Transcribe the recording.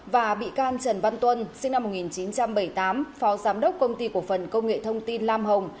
và bị can trần văn tuân sinh năm một nghìn chín trăm bảy mươi tám phó giám đốc công ty cổ phần công nghệ thông tin lam hồng